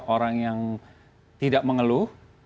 orang yang tidak mengeluh